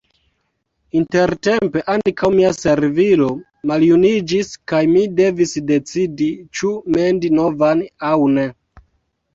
Intertempe ankaŭ mia servilo maljuniĝis kaj mi devis decidi ĉu mendi novan aŭ ne.